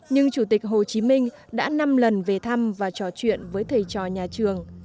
nhưng chủ tịch hồ chí minh đã năm lần về thăm và trò chuyện với thầy trò nhà trường